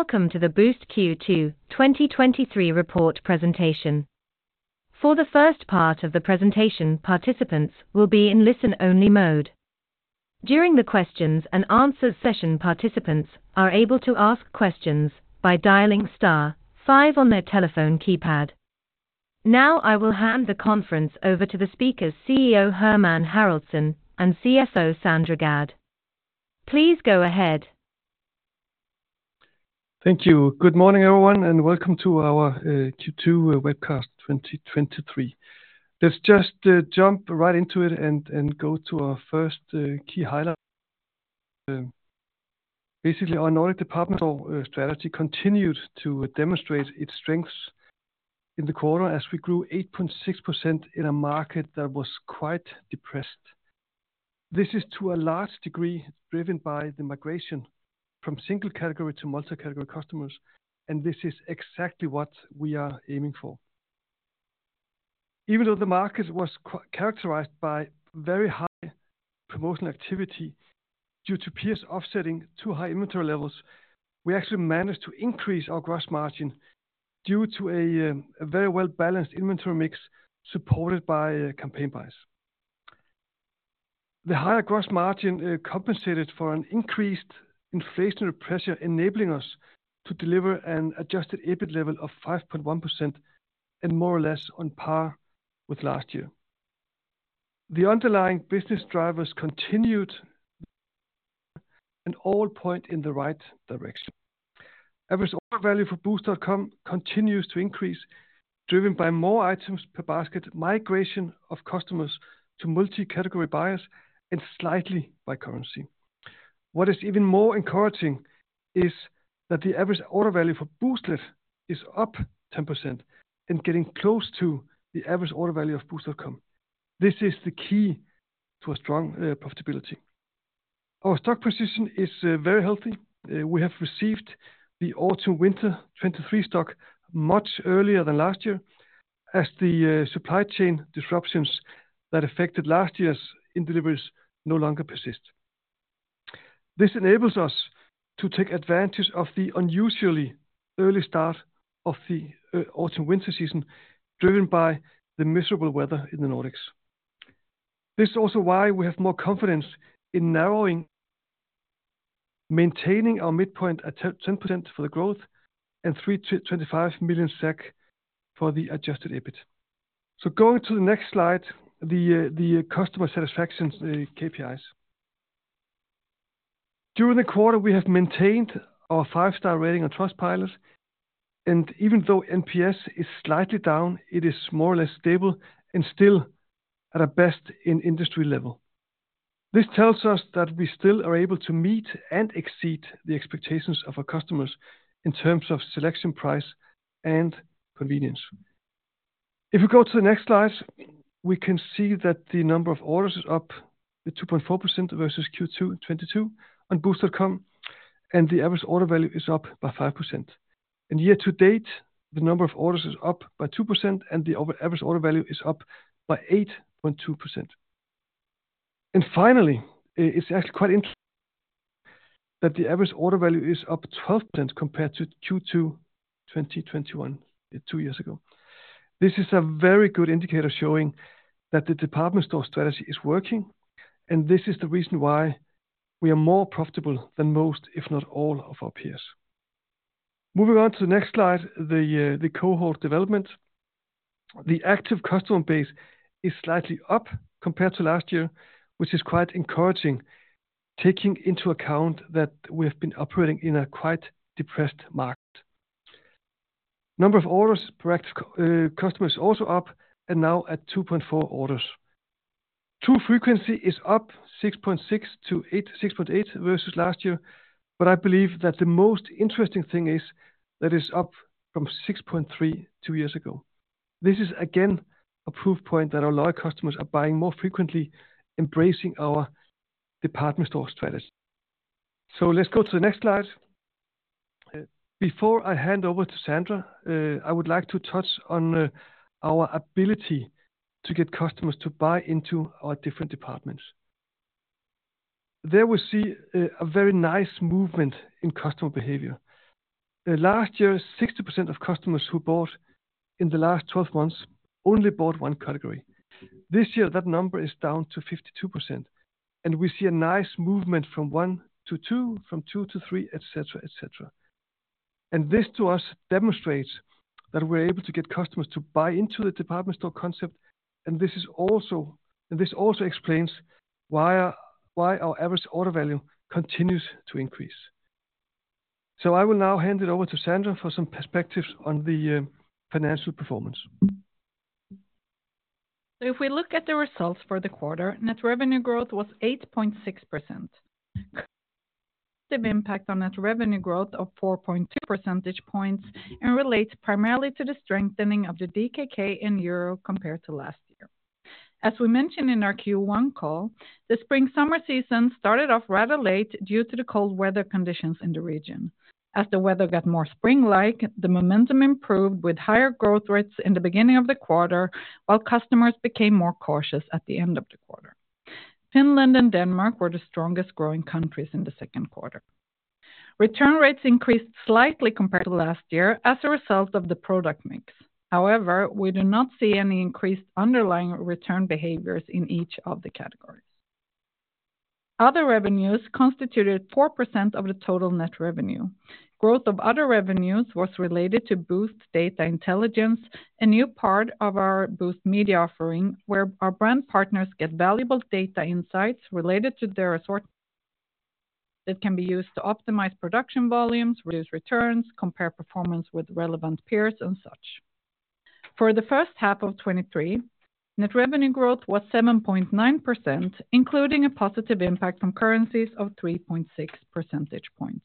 Welcome to the Boozt Q2 2023 report presentation. For the first part of the presentation, participants will be in listen-only mode. During the questions and answers session, participants are able to ask questions by dialing star five on their telephone keypad. Now, I will hand the conference over to the speakers, CEO Hermann Haraldsson and CFO Sandra Gadd. Please go ahead. Thank you. Good morning, everyone, and welcome to our Q2 Webcast 2023. Let's just jump right into it and go to our first key highlight. Basically, our Nordic department store strategy continued to demonstrate its strengths in the quarter as we grew 8.6% in a market that was quite depressed. This is to a large degree, driven by the migration from single category to Multi-category customers, and this is exactly what we are aiming for. Even though the market was characterized by very high promotional activity due to peers offsetting too high inventory levels, we actually managed to increase our gross margin due to a very well-balanced inventory mix, supported by campaign buys. The higher gross margin compensated for an increased inflationary pressure, enabling us to deliver an Adjusted EBIT level of 5.1% and more or less on par with last year. The underlying business drivers continued, all point in the right direction. Average order value for Boozt.com continues to increase, driven by more items per basket, migration of customers to multi-category buyers, and slightly by currency. What is even more encouraging is that the average order value for Booztlet is up 10% and getting close to the average order value of Boozt.com. This is the key to a strong profitability. Our stock position is very healthy. We have received the autumn-winter 2023 stock much earlier than last year, as the supply chain disruptions that affected last year's in-deliveries no longer persist. This enables us to take advantage of the unusually early start of the Autumn/Winter season, driven by the miserable weather in the Nordics. This is also why we have more confidence in narrowing, maintaining our midpoint at 10% for the growth and 325 million SEK for the Adjusted EBIT. Going to the next slide, the customer satisfaction KPIs. During the quarter, we have maintained our five-star rating on Trustpilot, and even though NPS is slightly down, it is more or less stable and still at a best-in-industry level. This tells us that we still are able to meet and exceed the expectations of our customers in terms of selection, price, and convenience. If you go to the next slide, we can see that the number of orders is up 2.4% versus Q2 2022 on Boozt.com, and the average order value is up by 5%. Year to date, the number of orders is up by 2%, and the average order value is up by 8.2%. Finally, it's actually quite interesting that the average order value is up 12% compared to Q2 2021, 2 years ago. This is a very good indicator showing that the department store strategy is working, and this is the reason why we are more profitable than most, if not all, of our peers. Moving on to the next slide, the cohort development. The active customer base is slightly up compared to last year, which is quite encouraging, taking into account that we have been operating in a quite depressed market. Number of orders per active customer is also up and now at 2.4 orders. True frequency is up 6.6-6.8 versus last year, but I believe that the most interesting thing is that it's up from 6.3 two years ago. This is again, a proof point that our loyal customers are buying more frequently, embracing our department store strategy. Let's go to the next slide. Before I hand over to Sandra, I would like to touch on our ability to get customers to buy into our different departments. There we see a very nice movement in customer behavior. Last year, 60% of customers who bought in the last 12 months only bought one category. This year, that number is down to 52%. We see a nice movement from one to two, from two to three, et cetera, et cetera. This, to us, demonstrates that we're able to get customers to buy into the department store concept, and this also explains why, why our average order value continues to increase. I will now hand it over to Sandra for some perspectives on the financial performance. If we look at the results for the quarter, net revenue growth was 8.6%. The impact on net revenue growth of 4.2 percentage points and relates primarily to the strengthening of the DKK in EUR compared to last year. As we mentioned in our Q1 call, the spring-summer season started off rather late due to the cold weather conditions in the region. As the weather got more spring-like, the momentum improved with higher growth rates in the beginning of the quarter, while customers became more cautious at the end of the quarter. Finland and Denmark were the strongest growing countries in the second quarter. Return rates increased slightly compared to last year as a result of the product mix. However, we do not see any increased underlying return behaviors in each of the categories. Other revenues constituted 4% of the total net revenue. Growth of other revenues was related to Boozt Data Intelligence, a new part of our Boozt media offering, where our brand partners get valuable data insights related to their assort-- that can be used to optimize production volumes, reduce returns, compare performance with relevant peers, and such. For the first half of 2023, net revenue growth was 7.9%, including a positive impact from currencies of 3.6 percentage points.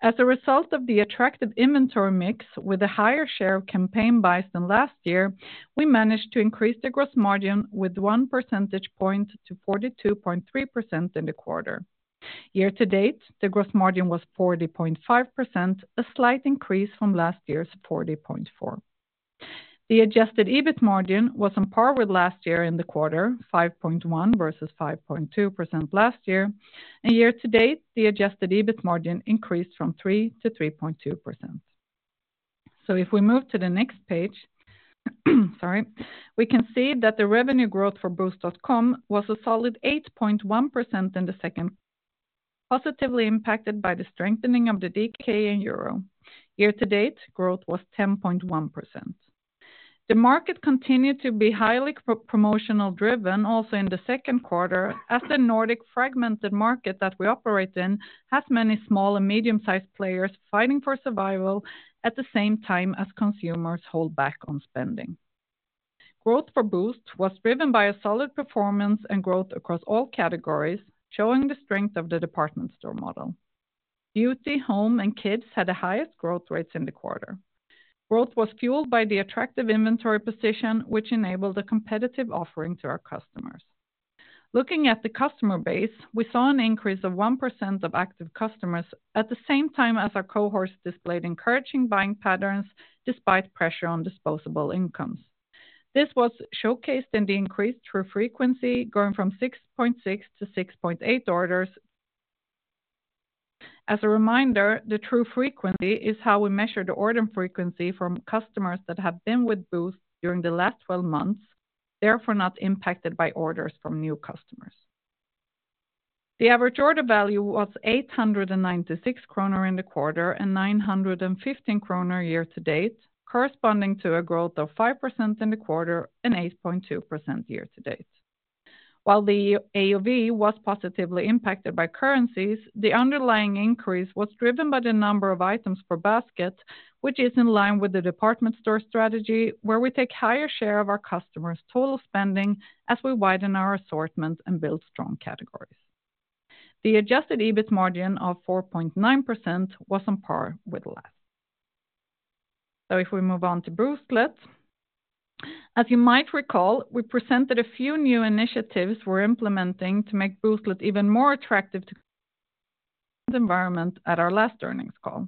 As a result of the attractive inventory mix with a higher share of campaign buys than last year, we managed to increase the gross margin with one percentage point to 42.3% in the quarter. Year to date, the gross margin was 40.5%, a slight increase from last year's 40.4%. The Adjusted EBIT margin was on par with last year in the quarter, 5.1% versus 5.2% last year, and year to date, the Adjusted EBIT margin increased from 3% to 3.2%. If we move to the next page, sorry, we can see that the revenue growth for Boozt.com was a solid 8.1% in Q2, positively impacted by the strengthening of the DKK and EUR. Year to date, growth was 10.1%. The market continued to be highly pro-promotional driven also in the second quarter, as the Nordic fragmented market that we operate in has many small and medium-sized players fighting for survival at the same time as consumers hold back on spending. Growth for Boozt was driven by a solid performance and growth across all categories, showing the strength of the department store model. Beauty, home, and kids had the highest growth rates in the quarter. Growth was fueled by the attractive inventory position, which enabled a competitive offering to our customers. Looking at the customer base, we saw an increase of 1% of active customers at the same time as our cohorts displayed encouraging buying patterns despite pressure on disposable incomes. This was showcased in the increased True frequency, going from 6.6 to 6.8 orders. As a reminder, the true frequency is how we measure the order frequency from customers that have been with Boozt during the last 12 months, therefore, not impacted by orders from new customers. The average order value was 896 kroner in the quarter and 915 kroner year to date, corresponding to a growth of 5% in the quarter and 8.2% year to date. While the AOV was positively impacted by currencies, the underlying increase was driven by the number of items per basket, which is in line with the department store strategy, where we take higher share of our customers' total spending as we widen our assortment and build strong categories. The Adjusted EBIT margin of 4.9% was on par with last. If we move on to Booztlet. As you might recall, we presented a few new initiatives we're implementing to make Booztlet even more attractive to environment at our last earnings call.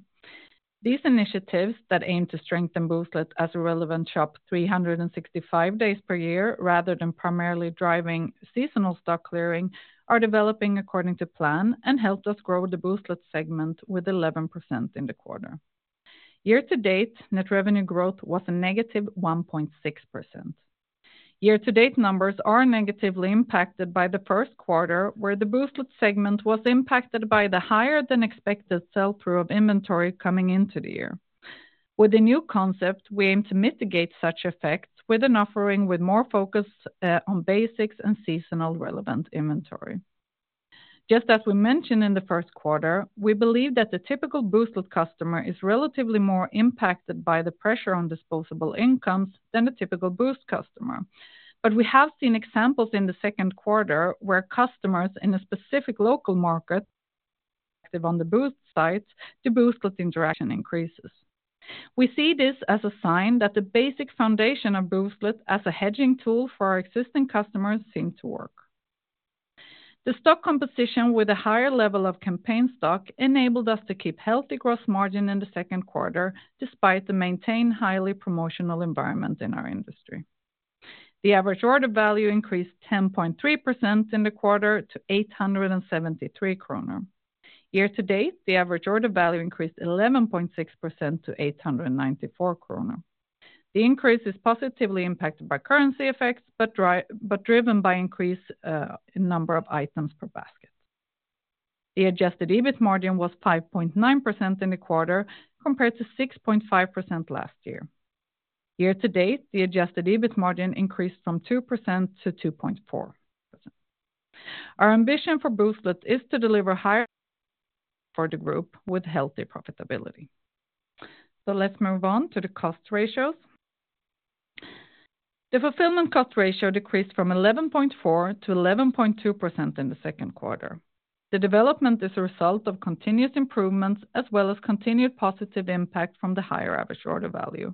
These initiatives that aim to strengthen Booztlet as a relevant shop 365 days per year, rather than primarily driving seasonal stock clearing, are developing according to plan and helped us grow the Booztlet segment with 11% in the quarter. Year-to-date, net revenue growth was a negative 1.6%. Year-to-date numbers are negatively impacted by the first quarter, where the Booztlet segment was impacted by the higher-than-expected sell-through of inventory coming into the year. With the new concept, we aim to mitigate such effects with an offering with more focus on basics and seasonal relevant inventory. Just as we mentioned in the first quarter, we believe that the typical Booztlet customer is relatively more impacted by the pressure on disposable incomes than the typical Boozt customer. We have seen examples in the second quarter where customers in a specific local market active on the Boozt sites to Booztlet interaction increases. We see this as a sign that the basic foundation of Booztlet as a hedging tool for our existing customers seem to work. The stock composition with a higher level of campaign stock enabled us to keep healthy growth margin in the second quarter, despite the maintained highly promotional environment in our industry. The average order value increased 10.3% in the quarter to 873 kronor. Year to date, the average order value increased 11.6% to 894 kronor. The increase is positively impacted by currency effects, but dri- but driven by increase in number of items per basket. The Adjusted EBIT margin was 5.9% in the quarter, compared to 6.5% last year. Year to date, the Adjusted EBIT margin increased from 2% to 2.4%. Our ambition for Booztlet is to deliver higher for the group with healthy profitability. Let's move on to the cost ratios. The fulfillment cost ratio decreased from 11.4 to 11.2% in the second quarter. The development is a result of continuous improvements, as well as continued positive impact from the higher average order value.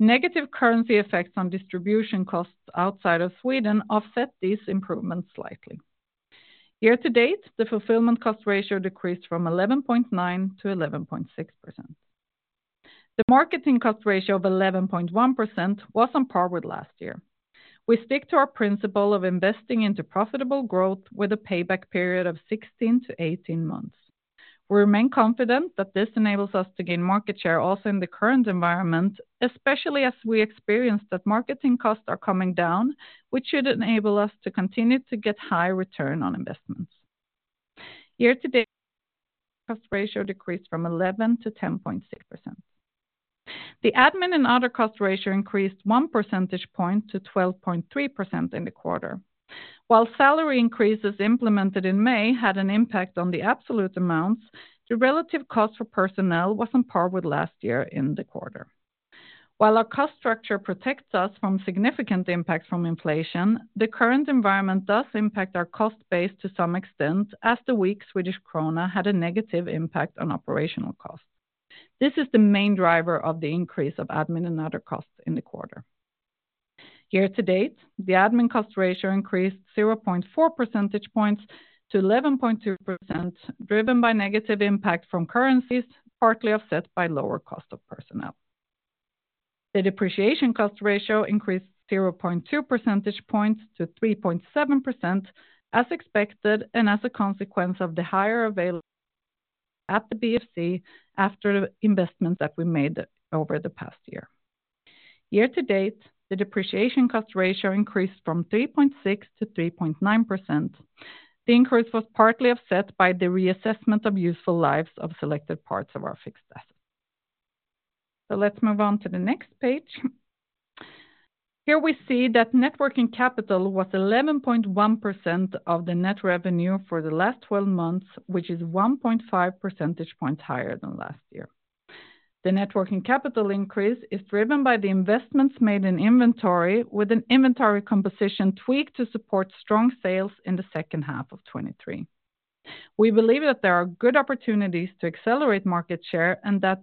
Negative currency effects on distribution costs outside of Sweden offset these improvements slightly. Year to date, the fulfillment cost ratio decreased from 11.9 to 11.6%. The marketing cost ratio of 11.1% was on par with last year. We stick to our principle of investing into profitable growth with a payback period of 16-18 months. We remain confident that this enables us to gain market share also in the current environment, especially as we experience that marketing costs are coming down, which should enable us to continue to get high return on investments. Year-to-date, cost ratio decreased from 11%-10.6%. The admin and other cost ratio increased one percentage point to 12.3% in the quarter. While salary increases implemented in May had an impact on the absolute amounts, the relative cost for personnel was on par with last year in the quarter. While our cost structure protects us from significant impacts from inflation, the current environment does impact our cost base to some extent, as the weak Swedish krona had a negative impact on operational costs. This is the main driver of the increase of admin and other costs in the quarter. Year to date, the admin cost ratio increased 0.4 percentage points to 11.2%, driven by negative impact from currencies, partly offset by lower cost of personnel. The depreciation cost ratio increased 0.2 percentage points to 3.7%, as expected, and as a consequence of the higher availability at the BFC after the investments that we made over the past year. Year to date, the depreciation cost ratio increased from 3.6%-3.9%. The increase was partly offset by the reassessment of useful lives of selected parts of our fixed assets. Let's move on to the next page. Here we see that net working capital was 11.1% of the net revenue for the last 12 months, which is 1.5 percentage points higher than last year. The net working capital increase is driven by the investments made in inventory, with an inventory composition tweaked to support strong sales in the second half of 2023. We believe that there are good opportunities to accelerate market share, and that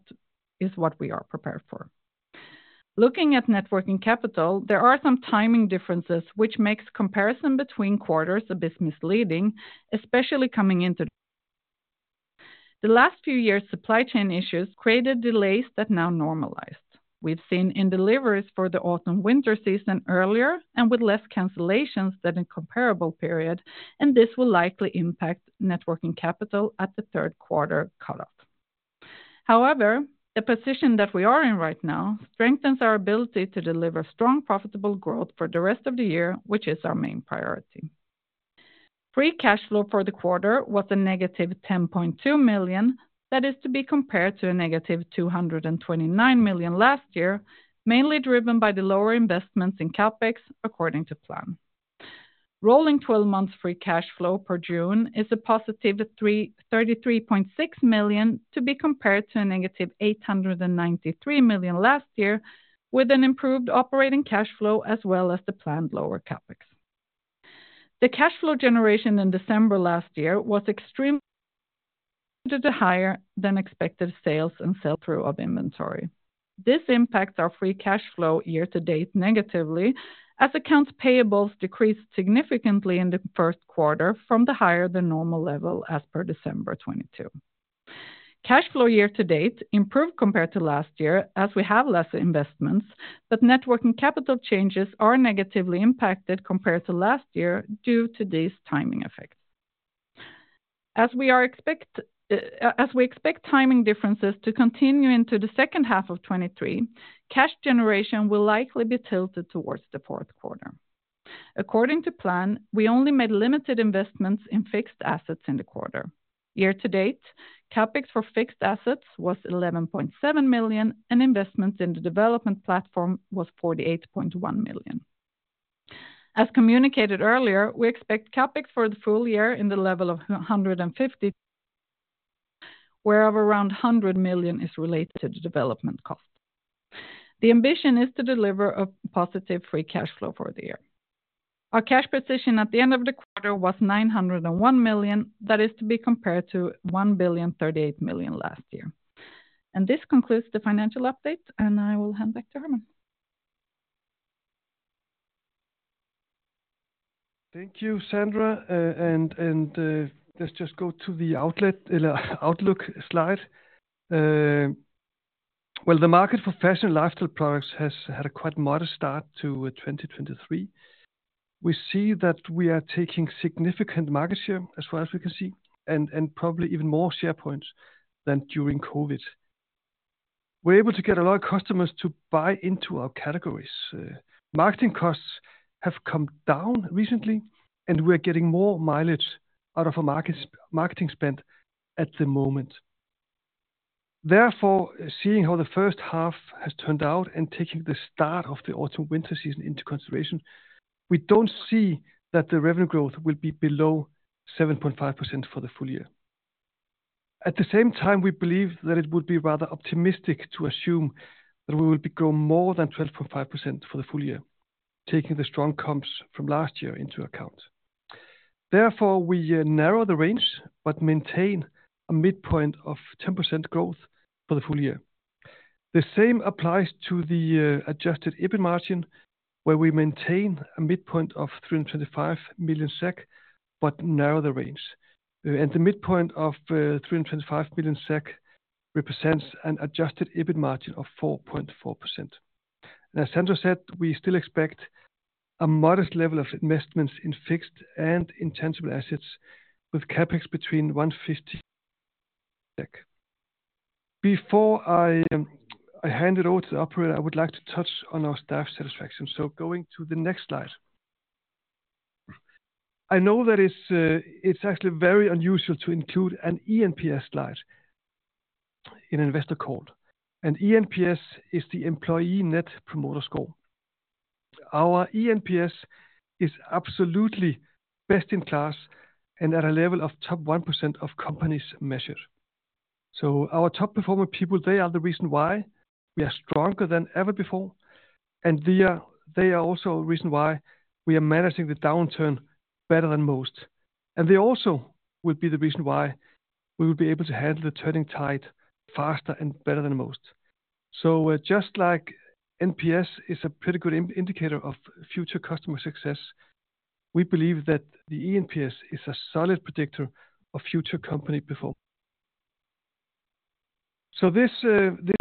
is what we are prepared for. Looking at net working capital, there are some timing differences, which makes comparison between quarters a bit misleading, especially. The last few years, supply chain issues created delays that now normalized. We've seen in-deliveries for the autumn-winter season earlier and with less cancellations than in comparable period. This will likely impact net working capital at the third quarter cutoff. However, the position that we are in right now strengthens our ability to deliver strong, profitable growth for the rest of the year, which is our main priority. Free cash flow for the quarter was a negative 10.2 million. That is to be compared to a negative 229 million last year, mainly driven by the lower investments in CapEx, according to plan. Rolling 12 months free cash flow per June is a positive 33.6 million, to be compared to a negative 893 million last year, with an improved operating cash flow, as well as the planned lower CapEx. The cash flow generation in December last year was extremelymainly due to the higher than expected sales and sell-through of inventory. This impacts our free cash flow year to date negatively, as accounts payables decreased significantly in the first quarter from the higher than normal level as per December 2022. Cash flow year to date improved compared to last year, as we have less investments, but net working capital changes are negatively impacted compared to last year due to these timing effects. As we expect timing differences to continue into the second half of 2023, cash generation will likely be tilted towards the fourth quarter. According to plan, we only made limited investments in fixed assets in the quarter. Year to date, CapEx for fixed assets was 11.7 million, and investments in the development platform was 48.1 million. As communicated earlier, we expect CapEx for the full year in the level of 150, whereof around 100 million is related to development cost. The ambition is to deliver a positive free cash flow for the year. Our cash position at the end of the quarter was 901 million. That is to be compared to 1,038 million last year. This concludes the financial update, and I will hand back to Herman. Thank you, Sandra. And, and, let's just go to the outlet outlook slide. Well, the market for fashion and lifestyle products has had a quite modest start to 2023. We see that we are taking significant market share, as well as we can see, and, and probably even more share points than during COVID. We're able to get a lot of customers to buy into our categories. Marketing costs have come down recently, and we're getting more mileage out of a marketing spend at the moment. Therefore, seeing how the first half has turned out and taking the start of the autumn-winter season into consideration, we don't see that the revenue growth will be below 7.5% for the full year. At the same time, we believe that it would be rather optimistic to assume that we will be growing more than 12.5% for the full year, taking the strong comps from last year into account. Therefore, we narrow the range, but maintain a midpoint of 10% growth for the full year. The same applies to the Adjusted EBIT margin, where we maintain a midpoint of 325 million SEK, but narrow the range. The midpoint of 325 million SEK represents an Adjusted EBIT margin of 4.4%. As Sandra said, we still expect a modest level of investments in fixed and intangible assets, with CapEx between 150. Before I hand it over to the operator, I would like to touch on our staff satisfaction. Going to the next slide. I know that it's, it's actually very unusual to include an eNPS slide in investor call. eNPS is the Employee Net Promoter Score. Our eNPS is absolutely best in class and at a level of top 1% of companies measured. Our top performer people, they are the reason why we are stronger than ever before, and they are also a reason why we are managing the downturn better than most. They also will be the reason why we will be able to handle the turning tide faster and better than most. Just like NPS is a pretty good indicator of future customer success, we believe that the eNPS is a solid predictor of future company performance. This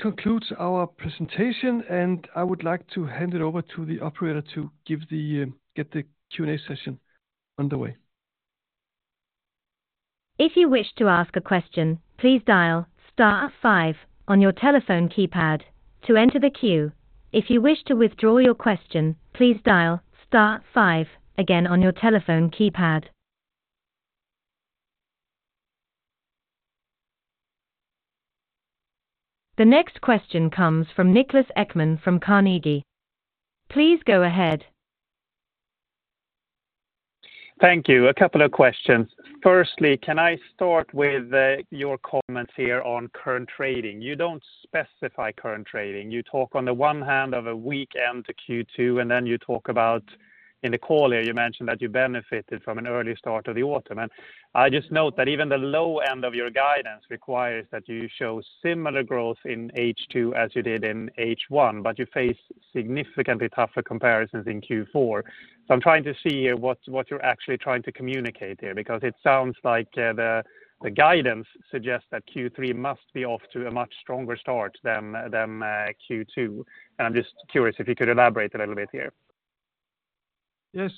concludes our presentation, and I would like to hand it over to the operator to give the Q&A session underway. If you wish to ask a question, please dial star five on your telephone keypad to enter the queue. If you wish to withdraw your question, please dial star five again on your telephone keypad. The next question comes from Niklas Ekman from Carnegie. Please go ahead. Thank you. A couple of questions. Firstly, can I start with your comments here on current trading? You don't specify current trading. You talk on the one hand of a weak end to Q2, then in the call here, you mentioned that you benefited from an early start of the autumn. I just note that even the low end of your guidance requires that you show similar growth in H2 as you did in H1, but you face significantly tougher comparisons in Q4. I'm trying to see here what you're actually trying to communicate here, because it sounds like the guidance suggests that Q3 must be off to a much stronger start than Q2. I'm just curious if you could elaborate a little bit here. Yes,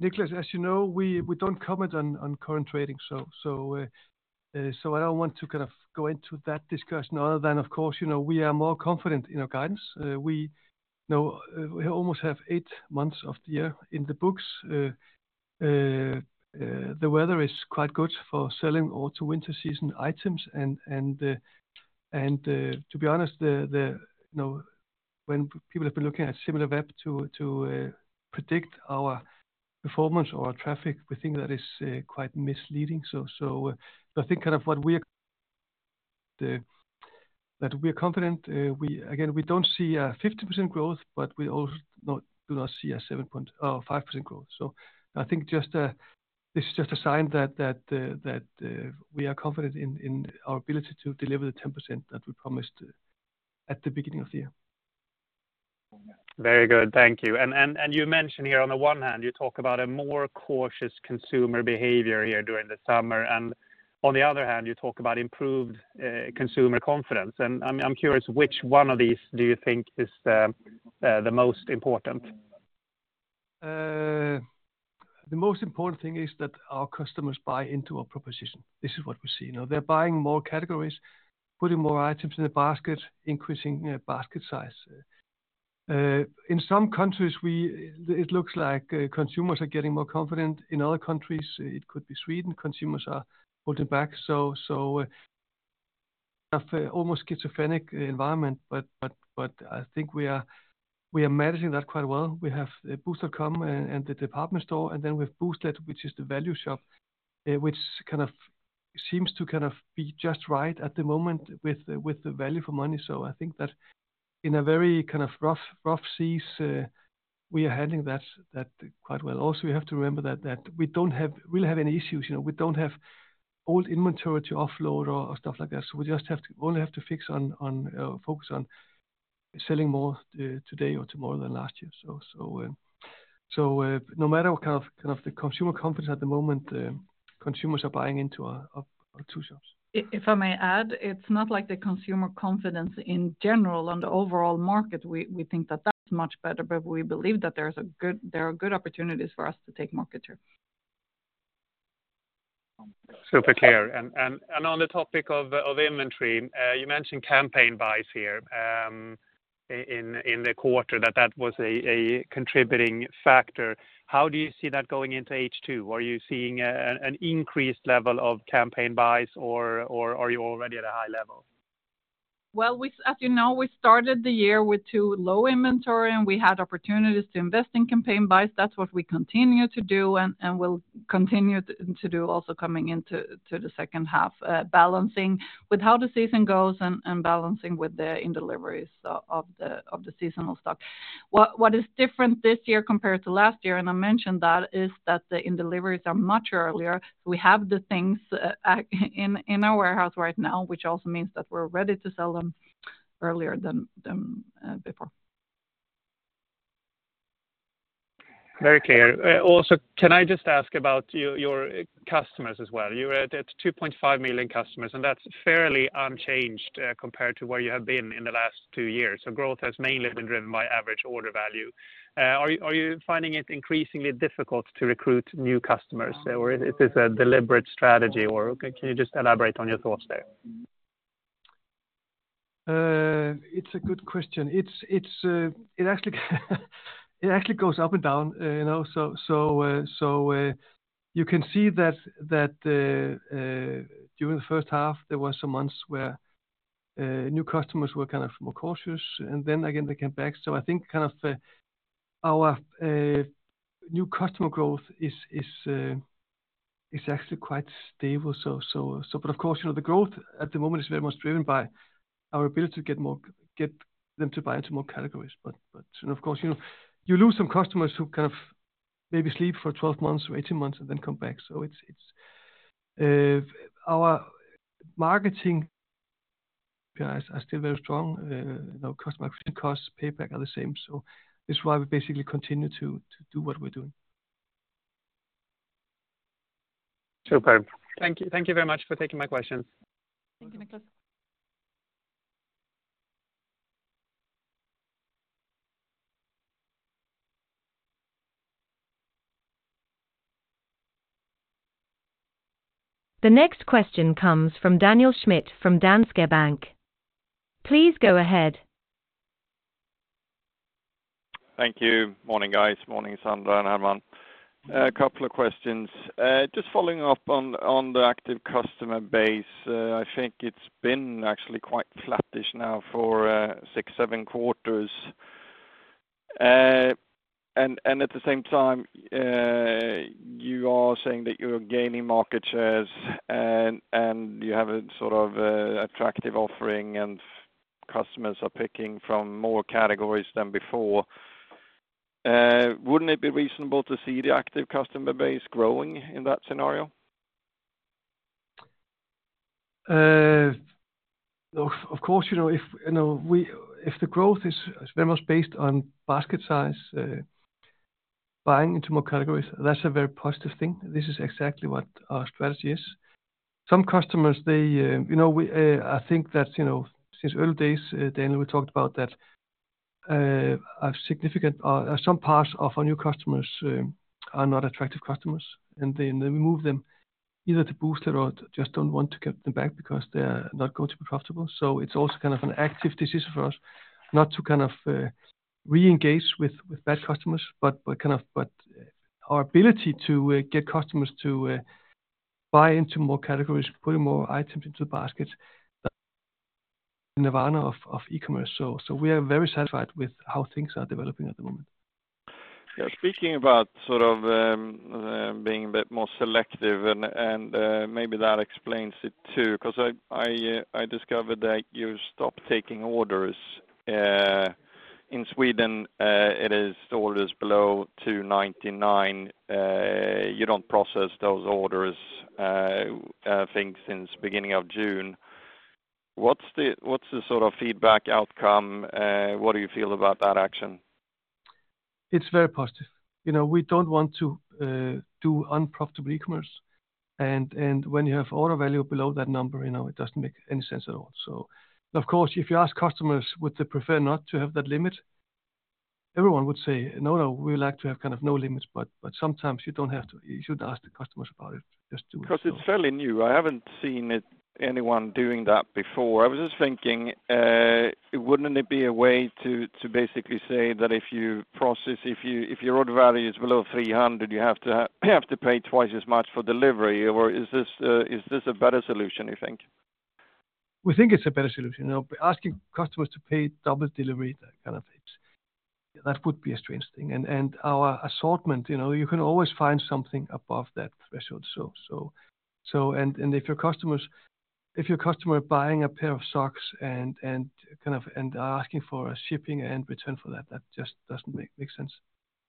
Niklas, as you know, we, we don't comment on, on current trading, I don't want to kind of go into that discussion other than, of course, you know, we are more confident in our guidance. We know, we almost have eight months of the year in the books. The weather is quite good for selling Autumn-Winter season items, to be honest, the, the, you know, when people have been looking at SimilarWeb to predict our performance or traffic, we think that is quite misleading. I think kind of that we are confident, again, we don't see a 50% growth, but we also do not see a 7.5% growth. I think just, this is just a sign that, that, that, we are confident in, in our ability to deliver the 10% that we promised at the beginning of the year. Very good. Thank you. You mentioned here, on the one hand, you talk about a more cautious consumer behavior here during the summer, and on the other hand, you talk about improved consumer confidence. I'm curious, which one of these do you think is the most important? The most important thing is that our customers buy into our proposition. This is what we see. You know, they're buying more categories, putting more items in the basket, increasing basket size. In some countries, we-- it looks like consumers are getting more confident. In other countries, it could be Sweden, consumers are holding back. So, so of almost schizophrenic environment, but, but, but I think we are, we are managing that quite well. We have Boozt.com and, and the department store, and then we have Booztlet, which is the value shop, which kind of seems to kind of be just right at the moment with the, with the value for money. So I think that in a very kind of rough, rough seas, we are handling that, that quite well. We have to remember that we don't really have any issues. You know, we don't have old inventory to offload or stuff like that. We only have to focus on selling more today or tomorrow than last year. No matter what kind of the consumer confidence at the moment, the consumers are buying into our two shops. If I may add, it's not like the consumer confidence in general on the overall market. We think that that's much better, but we believe that there are good opportunities for us to take market share. Super clear. On the topic of inventory, you mentioned campaign buys here, in the quarter, that was a contributing factor. How do you see that going into H2? Are you seeing an increased level of campaign buys, or are you already at a high level? Well, we, as you know, we started the year with two low inventory, and we had opportunities to invest in campaign buys. That's what we continue to do and, and will continue to, to do also coming into, to the second half, balancing with how the season goes and, and balancing with the in-deliveries of, of the, of the seasonal stock. What, what is different this year compared to last year, and I mentioned that, is that the in-deliveries are much earlier. We have the things, in our warehouse right now, which also means that we're ready to sell them earlier than, than, before. Very clear. Also, can I just ask about your customers as well? You're at 2.5 million customers, and that's fairly unchanged compared to where you have been in the last two years. Growth has mainly been driven by average order value. Are you finding it increasingly difficult to recruit new customers? Is this a deliberate strategy? Can you just elaborate on your thoughts there? It's a good question. It's, it's, it actually, it actually goes up and down, you know, you can see that during the first half, there were some months where new customers were kind of more cautious, and then again, they came back. I think kind of, our new customer growth is, is, is actually quite stable. But of course, you know, the growth at the moment is very much driven by our ability to get them to buy into more categories. But of course, you know, you lose some customers who kind of maybe sleep for 12 months or 18 months and then come back. It's, it's, our marketing, guys, are still very strong. You know, customer acquisition costs, payback are the same, so this is why we basically continue to, to do what we're doing. Superb. Thank you. Thank you very much for taking my questions. Thank you, Niklas. The next question comes from Daniel Schmidt, from Danske Bank. Please go ahead. Thank you. Morning, guys. Morning, Sandra and Hermann. A couple of questions. Just following up on, on the active customer base, I think it's been actually quite flattish now for six, seven quarters. At the same time, you are saying that you're gaining market shares, and you have a sort of attractive offering, and customers are picking from more categories than before. Wouldn't it be reasonable to see the active customer base growing in that scenario? Of course, you know, if, you know, we-- if the growth is very much based on basket size, buying into more categories, that's a very positive thing. This is exactly what our strategy is. Some customers, they, you know, we, I think that, you know, since early days, then we talked about that a significant some parts of our new customers are not attractive customers. And then they remove them, either to Booztlet or just don't want to get them back because they are not going to be profitable. It's also kind of an active decision for us not to kind of reengage with bad customers, but kind of, but our ability to get customers to buy into more categories, putting more items into the basket, the Nirvana of e-commerce. We are very satisfied with how things are developing at the moment. Yeah, speaking about sort of, being a bit more selective, and, and, maybe that explains it, too, because I, I, I discovered that you stopped taking orders. In Sweden, it is orders below 299, you don't process those orders, I think since beginning of June. What's the, what's the sort of feedback outcome? What do you feel about that action? It's very positive. You know, we don't want to do unprofitable e-commerce, and when you have order value below that number, you know, it doesn't make any sense at all. Of course, if you ask customers, would they prefer not to have that limit? Everyone would say, "No, no, we would like to have kind of no limits," but sometimes you don't have to. You shouldn't ask the customers about it, just do it. Because it's fairly new. I haven't seen it, anyone doing that before. I was just thinking, wouldn't it be a way to basically say that if your order value is below 300, you have to pay twice as much for delivery? Is this a better solution, you think? We think it's a better solution. You know, asking customers to pay double delivery, that kind of it, that would be a strange thing. Our assortment, you know, you can always find something above that threshold. If your customer buying a pair of socks and, and kind of, and asking for a shipping and return for that, that just doesn't make sense.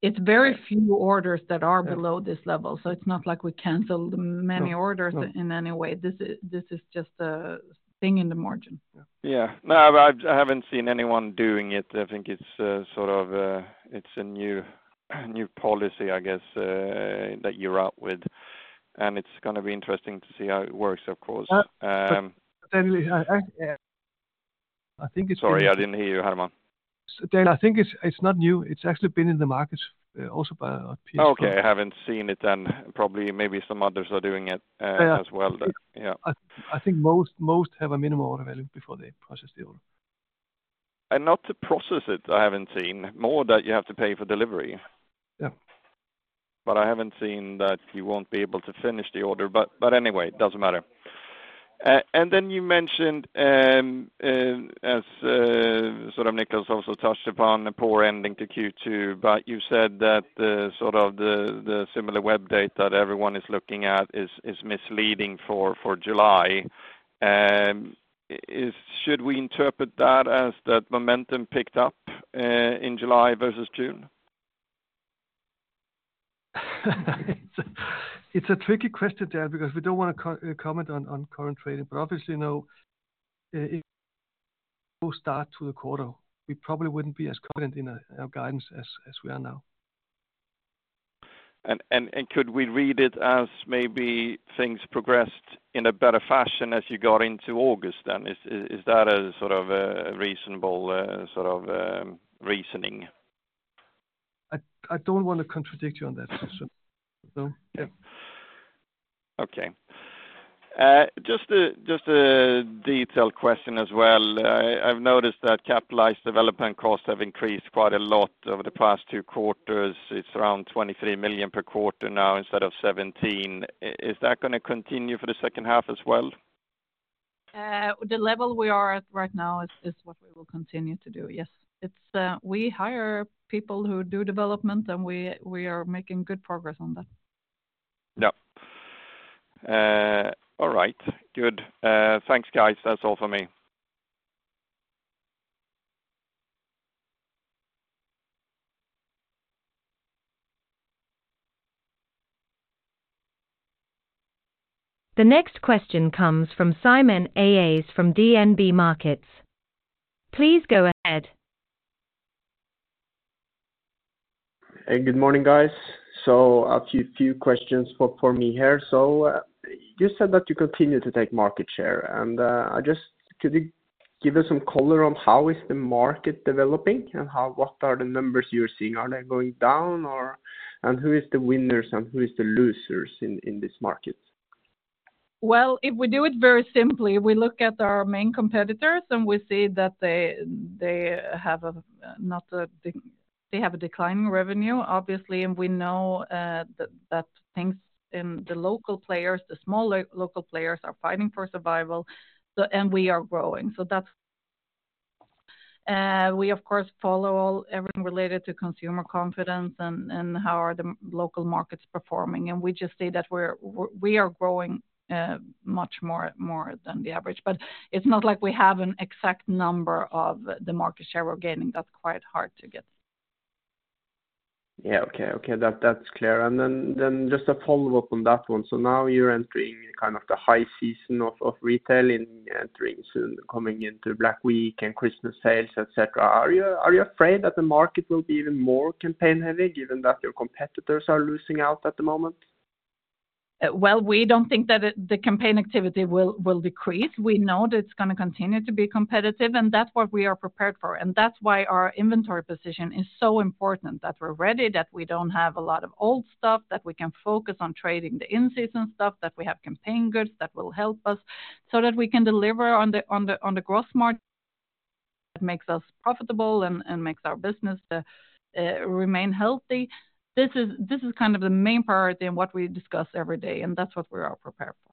It's very few orders that are below this level, so it's not like we canceled many orders. No. in any way. This is, this is just a thing in the margin. Yeah. No, I've, I haven't seen anyone doing it. I think it's, sort of, it's a new, new policy, I guess, that you're out with. It's gonna be interesting to see how it works, of course. yeah, I think it's- Sorry, I didn't hear you, Herman. I think it's, it's not new. It's actually been in the market, also by our peers. Okay, I haven't seen it, then. Probably, maybe some others are doing it, as well, then. Yeah. Yeah. I think most have a minimum order value before they process the order. Not to process it, I haven't seen. More that you have to pay for delivery. Yeah. I haven't seen that you won't be able to finish the order. Anyway, it doesn't matter. Then you mentioned, as sort of Niklas also touched upon the poor ending to Q2, but you said that the sort of the, the SimilarWeb date that everyone is looking at is, is misleading for, for July. Should we interpret that as that momentum picked up in July versus June? It's a, it's a tricky question, Dan, because we don't want to comment on, on current trading, but obviously, you know, start to the quarter, we probably wouldn't be as confident in our, our guidance as, as we are now. Could we read it as maybe things progressed in a better fashion as you got into August, then? Is that a sort of a, a reasonable, sort of, reasoning? I, I don't want to contradict you on that, so, so, yeah. Okay. Just a, just a detailed question as well. I've noticed that capitalized development costs have increased quite a lot over the past two quarters. It's around 23 million per quarter now instead of 17 million. Is that gonna continue for the second half as well? The level we are at right now is what we will continue to do. Yes. It's we hire people who do development, and we are making good progress on that. Yep. All right, good. Thanks, guys. That's all for me. The next question comes from Simen Aas from DNB Markets. Please go ahead. Hey, good morning, guys. A few, few questions for, for me here. You said that you continue to take market share, and could you give us some color on how is the market developing, what are the numbers you're seeing? Are they going down, or... Who is the winners and who is the losers in, in this market? Well, if we do it very simply, we look at our main competitors, and we see that they, they have a declining revenue, obviously, and we know that things in the local players, the small local players, are fighting for survival. We are growing. We, of course, follow all, everything related to consumer confidence and how are the local markets performing. We just see that we're, we are growing much more, more than the average. It's not like we have an exact number of the market share we're gaining. That's quite hard to get. Yeah, okay, okay, that, that's clear. Then just a follow-up on that one. Now you're entering kind of the high season of retail and entering soon, coming into Black Week and Christmas sales, et cetera. Are you afraid that the market will be even more campaign-heavy, given that your competitors are losing out at the moment? Well, we don't think that it, the campaign activity will, will decrease. We know that it's gonna continue to be competitive, and that's what we are prepared for, and that's why our inventory position is so important, that we're ready, that we don't have a lot of old stuff, that we can focus on trading the in-season stuff, that we have campaign goods that will help us, so that we can deliver on the, on the, on the growth market. It makes us profitable and makes our business remain healthy. This is, this is kind of the main priority and what we discuss every day. That's what we are prepared for.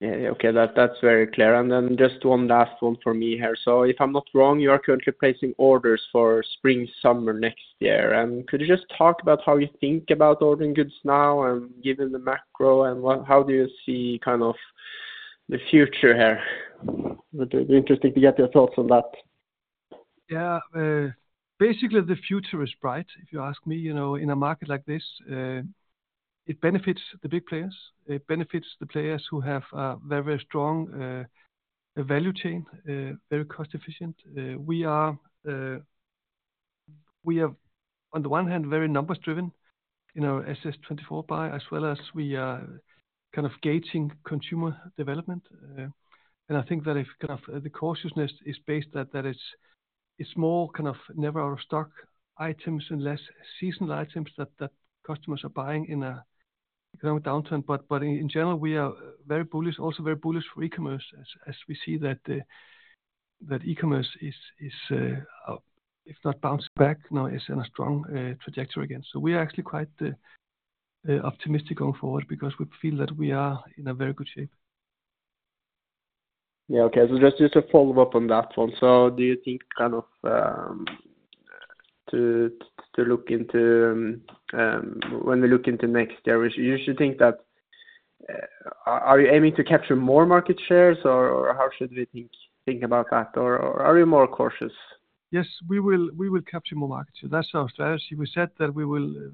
Yeah, okay, that, that's very clear. Then just one last one for me here. If I'm not wrong, you are currently placing orders for spring, summer next year. Could you just talk about how you think about ordering goods now and given the macro, how do you see kind of the future here? It'd be interesting to get your thoughts on that. Yeah, basically, the future is bright, if you ask me. You know, in a market like this, it benefits the big players. It benefits the players who have a very strong, value chain, very cost efficient. We are, we have, on the one hand, very numbers driven, you know, SS24 buy, as well as we are kind of gauging consumer development. I think that if, kind of, the cautiousness is based, that, that it's, it's more kind of never out of stock items and less seasonal items that, that customers are buying in a economic downturn. in general, we are very bullish, also very bullish for e-commerce as, as we see that the, that e-commerce is, is, if not bouncing back, now is in a strong, trajectory again. We are actually quite optimistic going forward because we feel that we are in a very good shape. Yeah, okay. Just to follow up on that one. Do you think kind of, to look into, when we look into next year, we usually think that, are you aiming to capture more market shares, or how should we think about that? Or are you more cautious? Yes, we will, we will capture more market share. That's our strategy. We said that we will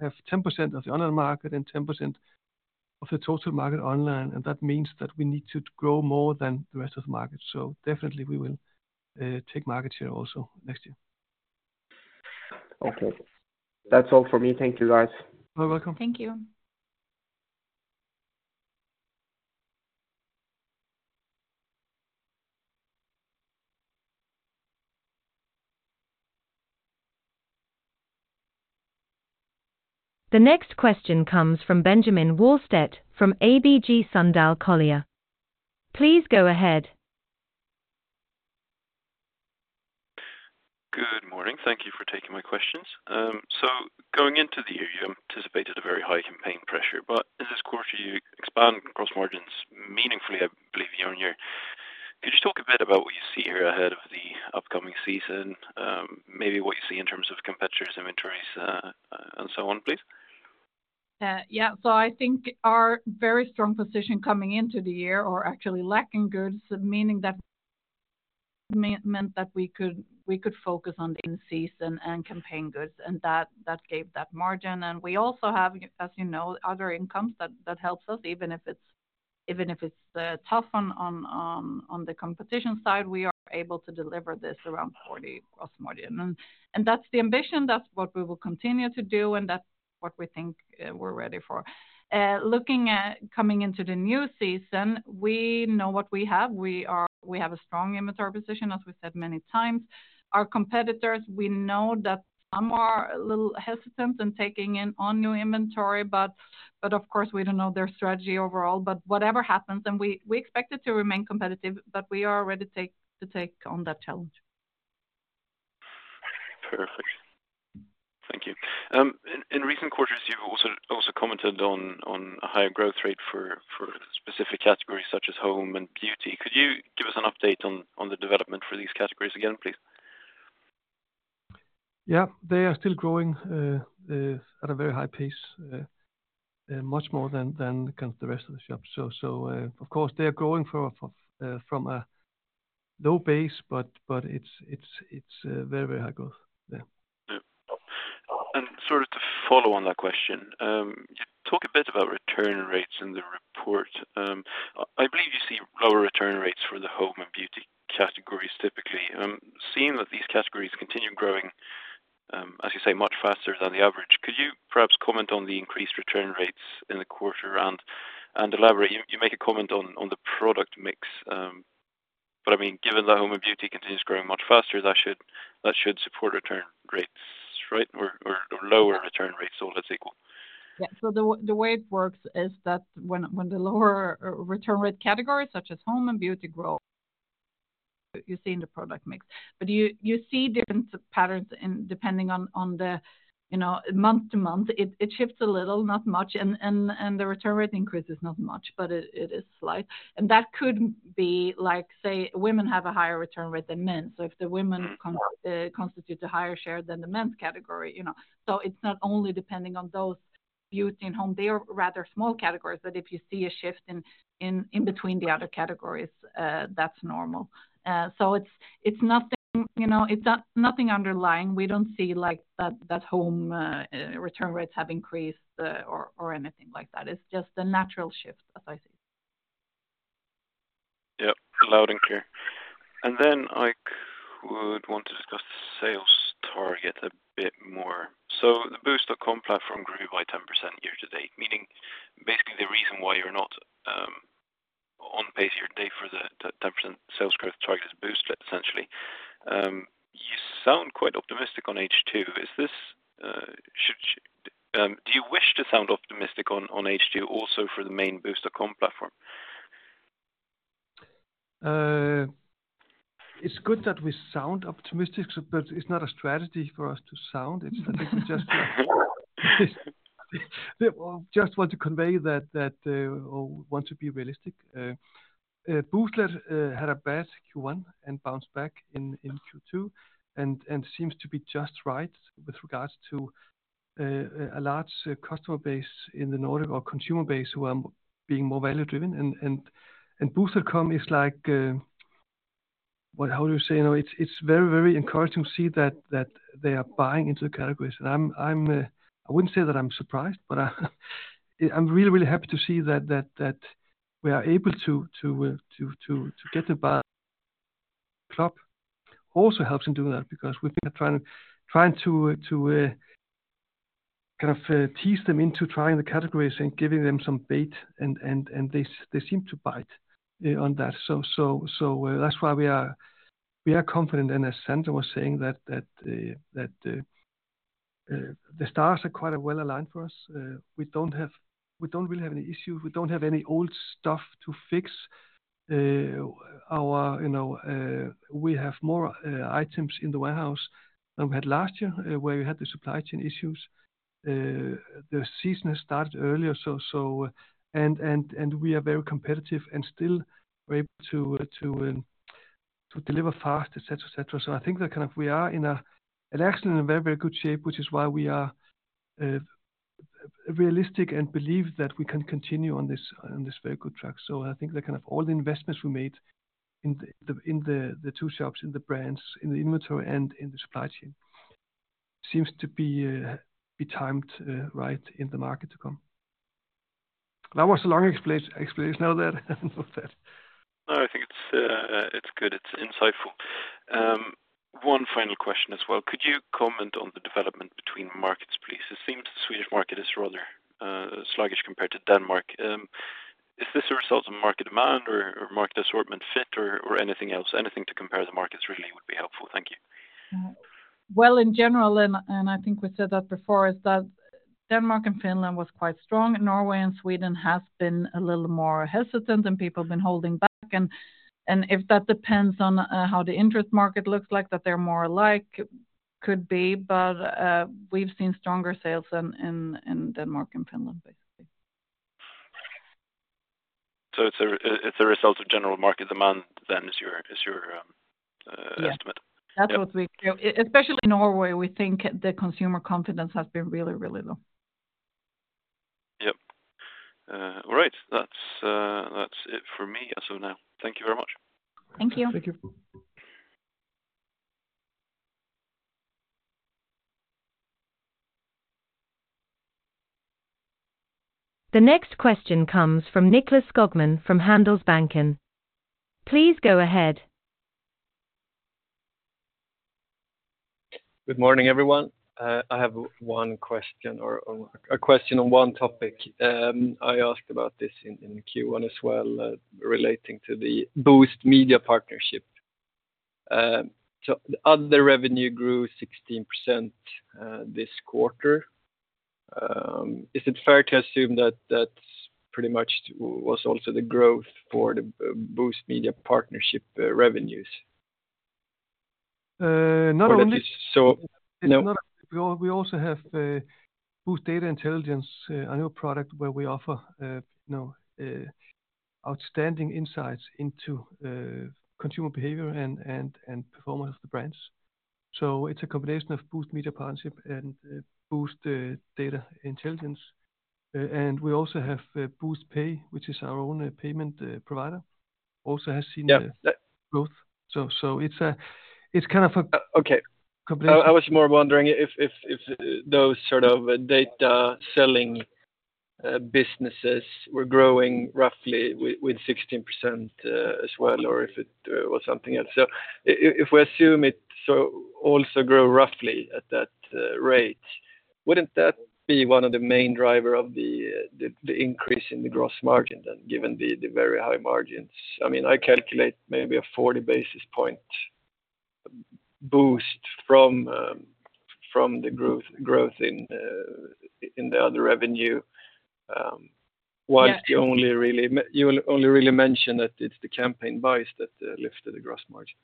have 10% of the online market and 10% of the total market online, and that means that we need to grow more than the rest of the market. Definitely we will take market share also next year. Okay. That's all for me. Thank you, guys. You're welcome. Thank you. The next question comes from Benjamin Wahlstedt from ABG Sundal Collier. Please go ahead. Good morning. Thank you for taking my questions. Going into the year, you anticipated a very high campaign pressure, but in this quarter, you expanded gross margins meaningfully, I believe, year-over-year. Could you talk a bit about what you see here ahead of the upcoming season? Maybe what you see in terms of competitors, inventories, and so on, please? Yeah. I think our very strong position coming into the year or actually lacking goods, meaning that meant, meant that we could, we could focus on the in-season and campaign goods, that, that gave that margin. We also have, as you know, other incomes that, that helps us, even if it's, even if it's tough on, on the competition side, we are able to deliver this around 40% gross margin. That's the ambition, that's what we will continue to do, and that's what we think we're ready for. Looking at coming into the new season, we know what we have. We have a strong inventory position, as we said many times. Our competitors, we know that some are a little hesitant in taking in on new inventory, but of course, we don't know their strategy overall. Whatever happens, and we, we expect it to remain competitive, but we are ready to take, to take on that challenge. Perfect. Thank you. In recent quarters, you've commented on a higher growth rate for specific categories such as home and beauty. Could you give us an update on the development for these categories again, please? Yeah, they are still growing at a very high pace, much more than, than kind of the rest of the shop. Of course, they are growing for from a low base, but, but it's, it's, it's very, very high growth. Yeah. Yeah. Sort of to follow on that question, you talk a bit about return rates in the report. I believe you see lower return rates for the home and beauty categories, typically. Seeing that these categories continue growing, as you say, much faster than the average, could you perhaps comment on the increased return rates in the quarter and, and elaborate? You, you make a comment on, on the product mix, but I mean, given that home and beauty continues growing much faster, that should, that should support return rates, right? Or, or lower return rates, all else equal. Yeah. So the way it works is that when, when the lower return rate categories such as home and beauty grow, you see in the product mix. You, you see different patterns in depending on, on the, you know, month to month, it, it shifts a little, not much, and, and, and the return rate increase is not much, but it, it is slight. That could be like, say, women have a higher return rate than men. If the women constitute a higher share than the men's category, you know? It's not only depending on those beauty and home, they are rather small categories, but if you see a shift in, in, in between the other categories, that's normal. It's, it's nothing, you know, it's not nothing underlying. We don't see like that, that home, return rates have increased, or, or anything like that. It's just a natural shift, as I see. Yeah, loud and clear. Then I would want to discuss the sales target a bit more. The Boozt.com platform grew by 10% year to date, meaning basically the reason why you're not on pace year to date for the, the 10% sales growth target is Boozt essentially. You sound quite optimistic on H2. Is this should do you wish to sound optimistic on, on H2 also for the main Boozt.com platform? It's good that we sound optimistic, but it's not a strategy for us to sound. It's that we just, just want to convey that, that, or want to be realistic. Booztlet had a bad Q1 and bounced back in Q2, and seems to be just right with regards to a large customer base in the Nordics or consumer base who are being more value-driven, and Boozt.com is like, what how do you say, you know? It's, it's very, very encouraging to see that, that they are buying into the categories. And I'm, I'm, I wouldn't say that I'm surprised, but I'm really, really happy to see that, that, that we are able to, to, to, to, to get them by. Club also helps in doing that because we've been trying to kind of tease them into trying the categories and giving them some bait, and they seem to bite on that. That's why we are confident, and as Sandra was saying, that the stars are quite well aligned for us. We don't really have any issues, we don't have any old stuff to fix. Our, you know, we have more items in the warehouse than we had last year, where we had the supply chain issues. The season has started earlier, and we are very competitive and still we're able to deliver fast, et cetera, et cetera. I think that kind of we are in a it actually in a very, very good shape, which is why we are realistic and believe that we can continue on this, on this very good track. I think that kind of all the investments we made in the, in the, the two shops, in the brands, in the inventory, and in the supply chain, seems to be timed right in the market to come. That was a long explanation of that. No, I think it's, it's good, it's insightful. One final question as well: Could you comment on the development between markets, please? It seems the Swedish market is rather sluggish compared to Denmark. Is this a result of market demand or, or market assortment fit, or, or anything else? Anything to compare the markets really would be helpful. Thank you. Well, in general, and I think we said that before, is that Denmark and Finland was quite strong, and Norway and Sweden has been a little more hesitant, and people have been holding back. If that depends on how the interest market looks like, that they're more alike, could be, but we've seen stronger sales in Denmark and Finland, basically. It's a, it's a result of general market demand, then, is your, is your, estimate? Yeah. Yeah. That's what we especially Norway, we think the consumer confidence has been really, really low. All right, that's, that's it for me as of now. Thank you very much. Thank you. Thank you. The next question comes from Nicklas Skogman from Handelsbanken. Please go ahead. Good morning, everyone. I have one question or, or a question on one topic. I asked about this in, in the Q1 as well, relating to the Boozt Media Partnership. Other revenue grew 16%, this quarter. Is it fair to assume that that's pretty much was also the growth for the Boozt Media Partnership revenues? not only- So, no- We al- we also have, Boozt Data Intelligence, a new product where we offer, you know, outstanding insights into consumer behavior and, and, and performance of the brands. So it's a combination of Boozt Media Partnership and, Boozt Data Intelligence. We also have, Boozt Pay, which is our own, payment, provider, also has seen- Yeah, that. growth. so it's a, it's kind of a- Okay. Combination. I was more wondering if those sort of data selling businesses were growing roughly with 16% as well, or if it was something else? If we assume it so also grow roughly at that rate, wouldn't that be one of the main driver of the increase in the gross margin then, given the very high margins? I mean, I calculate maybe a 40 basis point boost from the growth in the other revenue. Yeah you only really you only really mention that it's the campaign buys that lifted the gross margin.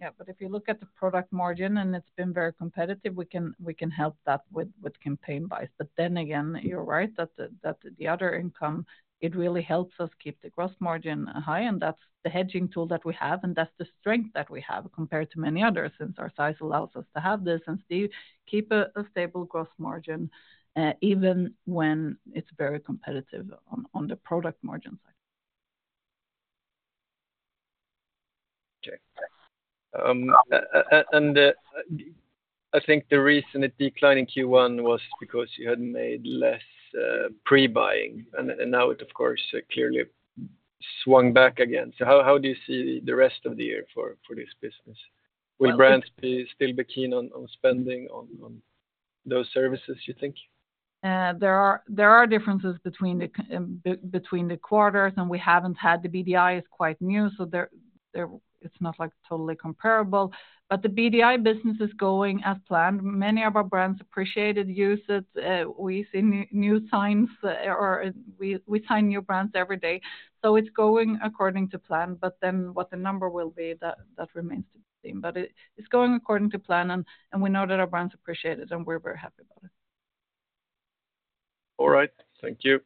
Yeah, if you look at the product margin, and it's been very competitive, we can, we can help that with, with campaign buys. Then again, you're right that the, that the other income, it really helps us keep the gross margin high, and that's the hedging tool that we have, and that's the strength that we have compared to many others, since our size allows us to have this and still keep a, a stable gross margin, even when it's very competitive on, on the product margin side. Okay. I think the reason it declined in Q1 was because you had made less pre-buying, and now it, of course, clearly swung back again. How, how do you see the rest of the year for, for this business? Well- Will brands still be keen on spending on those services, you think? there are, there are differences between the quarters, and we haven't had the BDI. It's quite new, so it's not, like, totally comparable. The BDI business is going as planned. Many of our brands appreciated, use it. we see new, new signs, or we, we sign new brands every day, so it's going according to plan. Then what the number will be, that, that remains to be seen. It, it's going according to plan, and we know that our brands appreciate it, and we're very happy about it. All right. Thank you.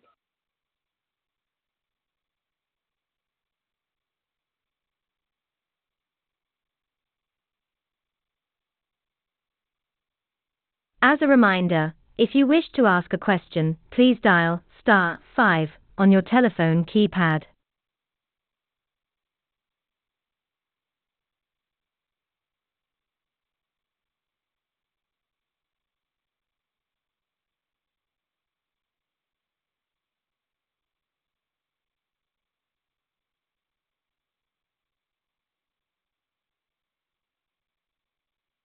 As a reminder, if you wish to ask a question, please dial star five on your telephone keypad.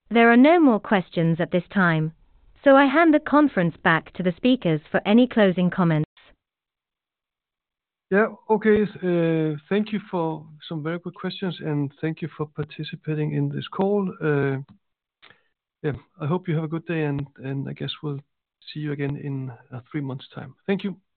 There are no more questions at this time, so I hand the conference back to the speakers for any closing comments. Yeah, okay. Thank you for some very good questions, and thank you for participating in this call. Yeah, I hope you have a good day, and I guess we'll see you again in, three months' time. Thank you.